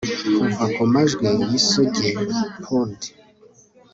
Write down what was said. kuva kumajwi yisugi pour'd